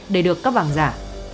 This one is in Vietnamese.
để được cấp bằng giả